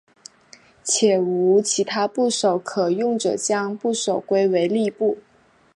且无其他部首可用者将部首归为立部。